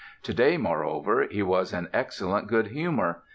To day, moreover, he was in excellent good humor.